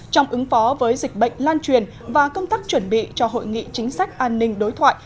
trong ứng phó với dịch bệnh lan truyền và công tác chuẩn bị cho hội nghị chính sách an ninh đối thoại